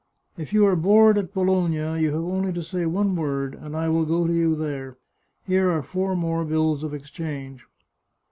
If you arc bored at Bologna, you have only to say one word, and I will go to you there. Here are four more bills of ex change."